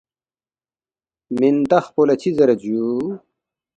”مِنتخ پو لہ چِہ زیرید جُو؟“